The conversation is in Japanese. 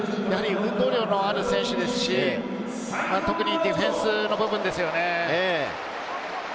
運動量のある選手ですし、ディフェンスの部分ですよね。